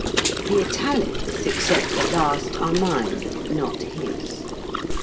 The italics (except the last) are mine, not his.